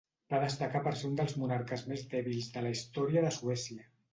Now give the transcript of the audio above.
Va destacar per ser un dels monarques més dèbils de la història de Suècia.